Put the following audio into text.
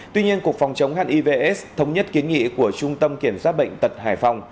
tuy nhiên cục phòng chống hiv aids thống nhất kiến nghị của trung tâm kiểm soát bệnh tật hải phòng